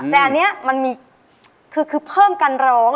แต่อันนี้มันมีคือเพิ่มการร้อง